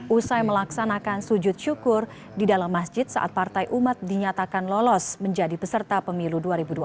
usai melaksanakan sujud syukur di dalam masjid saat partai umat dinyatakan lolos menjadi peserta pemilu dua ribu dua puluh